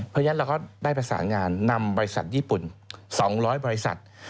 เพราะฉะนั้นเราก็ได้ประสานงานนำบริษัทญี่ปุ่น๒๐๐บริษัท